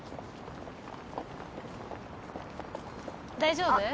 大丈夫？